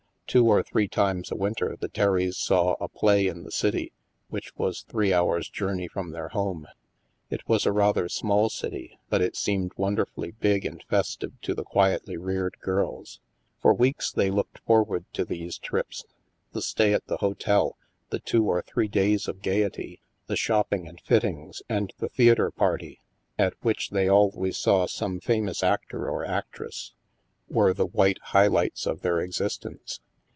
Two or three times a winter the Terrys saw a play in the city, which was three hours' journey from their home. It was a rather small city, but it seemed wonderfully big and festive to the quietly reared girls.* For weeks they looked forward to these trips. The stay at the hotel, the two or three days of gayety, the shopping and fittings, and the theatre party (at which they always saw some fam ous actor or actress) were the white high lights of their existence.